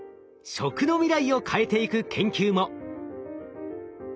食の未来を変えていく研究も。